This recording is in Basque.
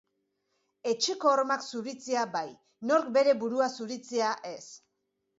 Etxeko ormak zuritzea, bai; nork bere burua zuritzea, ez.